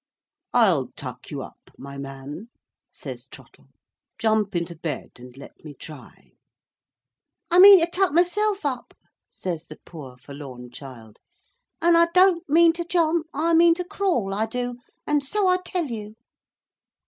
"I'll tuck you up, my man," says Trottle. "Jump into bed, and let me try." "I mean to tuck myself up," says the poor forlorn child, "and I don't mean to jump. I mean to crawl, I do—and so I tell you!"